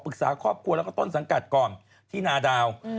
ขอปรึกสาวครอบครัวก็ต้นสังกัดก่อนที่หนาดาว